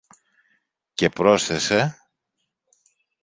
Και πρόσθεσε